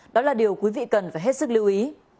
đó là điều quý vị cần phải hết sức lưu ý